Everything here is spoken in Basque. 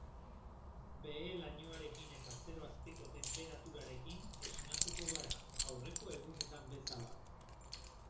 Behe-lainoarekin eta zero azpiko tenperaturarekin esnatuko gara, aurreko egunetan bezala.